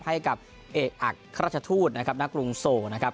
ให้กับเอกอักราชทูตนะครับณกรุงโซนะครับ